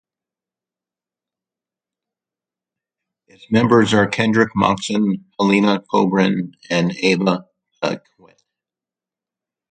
Its members are: Kendrick Moxon, Helena Kobrin, and Ava Paquette.